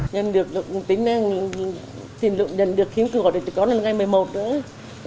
nhân được tính là nhận được kiếm cơ hội thì có là ngày một mươi một nữa